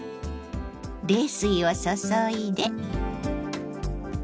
冷水を注いで。